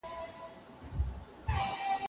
د وسايلو څخه درسته استفاده کول بريا تضمينوي.